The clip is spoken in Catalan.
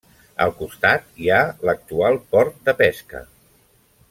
Al costat hi ha l'actual port de pesca.